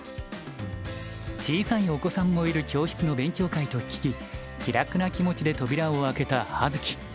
小さいお子さんもいる教室の勉強会と聞き気楽な気持ちで扉を開けた葉月。